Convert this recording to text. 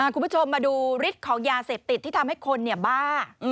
คุณผู้ชมมาดูฤทธิ์ของยาเสพติดที่ทำให้คนบ้า